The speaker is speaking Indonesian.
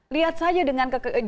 lihat saja dengan